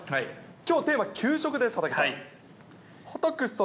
きょうテーマ、給食です、畠さん。